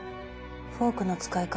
フォークの使い方